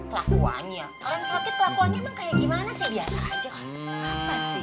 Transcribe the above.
kelakuannya kan selain kelakuannya emang kayak gimana sih